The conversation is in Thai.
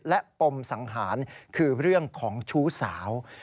และปมสังหารคือเรื่องของชู้สาว